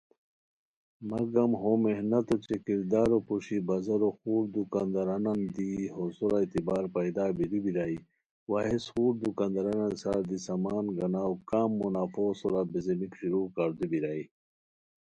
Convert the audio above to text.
مگم ہو محنت اوچے کردارو پوشی بازارو خور دوکاندارانان دی ہو سورا اعتبار پیدا بیرو بیرائے، وا ہیس خور دکاندارانان سار دی سامان گناؤ کم منافعو سورا بیزیمیک شروع کاردو بیرائے